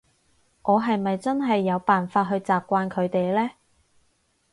我係咪真係有辦法去習慣佢哋呢？